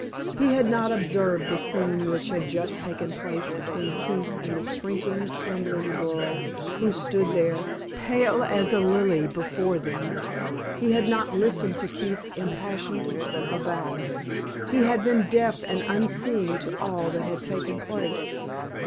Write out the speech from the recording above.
He had not observed the scene which had just taken place between Keith and the shrinking, trembling girl who stood there, pale as a lily, before them. He had not listened to Keith's impassioned avowal; he had been deaf and unseeing to all that had taken place.